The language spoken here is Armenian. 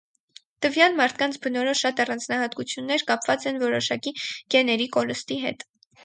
Տվյալ մարդկանց բնորոշ շատ առանձնահատկություններ կապված են որոշակի գեների կորստի հետ։